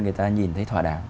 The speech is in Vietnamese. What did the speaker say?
người ta nhìn thấy thỏa đảng